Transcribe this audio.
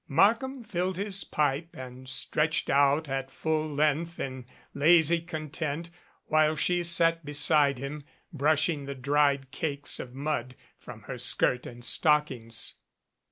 Markham filled his pipe and stretched out at full length in lazy content while she sat beside him, brushing the dried cakes of mud from her skirt and stockings.